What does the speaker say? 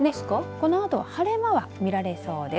このあと晴れ間は見られそうです